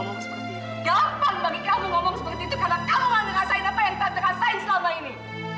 gampang bagi kamu ngomong seperti itu karena kalah ngerasain apa yang patuh rasain selama ini